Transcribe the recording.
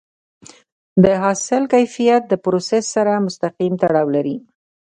د حاصل کیفیت د پروسس سره مستقیم تړاو لري.